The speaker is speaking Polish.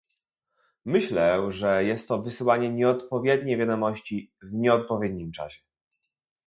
Myślę, że jest to wysyłanie nieodpowiedniej wiadomości w nieodpowiednim czasie